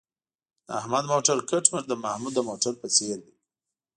د احمد موټر کټ مټ د محمود د موټر په څېر دی.